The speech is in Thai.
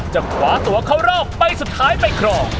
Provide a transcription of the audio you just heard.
จะขวาตัวเข้ารอบใบสุดท้ายไปครอง